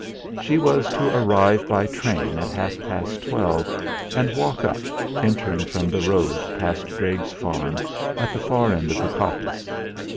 She was to arrive by train at half past twelve and walk up, entering from the road past Drage's farm at the far end of the coppice.